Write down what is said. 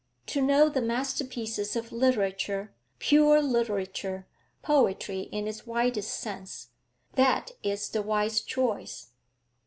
To know the masterpieces of literature, pure literature, poetry in its widest sense; that is the wise choice.